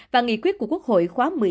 và nghị quyết của quốc hội khóa một mươi bốn